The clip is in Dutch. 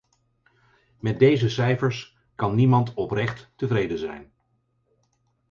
Met deze cijfers kan niemand oprecht tevreden zijn.